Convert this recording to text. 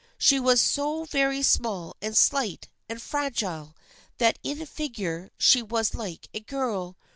She was so very small and slight and fragile that in figure she was like a girl.